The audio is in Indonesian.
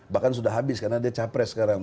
bahkan sudah habis karena dia capres sekarang